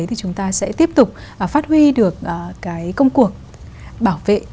thì chúng ta sẽ tiếp tục phát huy được cái công cuộc bảo vệ